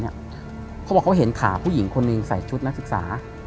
เขาบอกเขาเห็นขาผู้หญิงคนหนึ่งใส่ชุดนักศึกษา